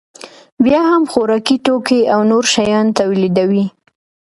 بیا هم خوراکي توکي او نور شیان تولیدوي